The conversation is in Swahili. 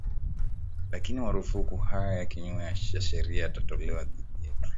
lakini marufuku haya ya kinyume cha sheria yanatolewa dhidi yetu